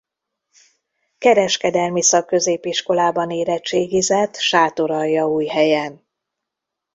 Kereskedelmi szakközépiskolában érettségizett Sátoraljaújhelyen.